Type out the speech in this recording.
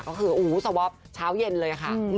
ก็คือสวอปเช้าเย็นเลยค่ะ